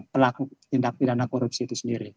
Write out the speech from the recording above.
pelaku tindak pidana korupsi itu sendiri